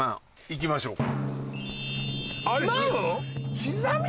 行きましょうか。